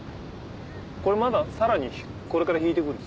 これまださらにこれから引いてくる？